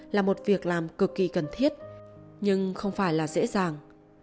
là một việc làm cực kỳ cần thiết nhưng không phải là dễ dàng